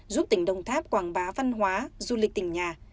giúp tỉnh đồng tháp quảng bá văn hóa du lịch tỉnh nhà